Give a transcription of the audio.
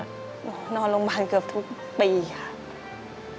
นอนโรงพยาบาลเกือบทุกปีค่ะ